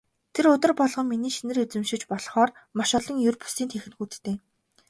Тэр өдөр болгон миний шинээр эзэмшиж болохоор маш олон ер бусын техникүүдтэй.